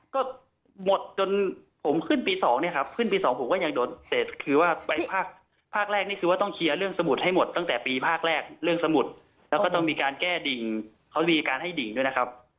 ก็หมดจนผมขึ้นปี๒เนี่ยครับขึ้นปี๒ผมก็ยังโดดเสร็จคือว่าไปภาคแรกนี่คือว่าต้องเคลียร์เรื่องสมุดให้หมดตั้งแต่ปีภาคแรกเรื่องสมุดแล้วก็ต้องมีการแก้ดิ่งเขามีการให้ดิ่งด้วยนะครับ